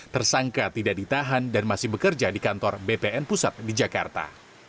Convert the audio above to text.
tersangka tidak ditahan dan masih bekerja di kantor bpn pusat di jakarta